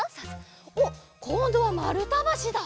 おっこんどはまるたばしだ。